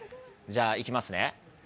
じゃあ行きますね